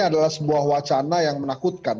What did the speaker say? adalah sebuah wacana yang menakutkan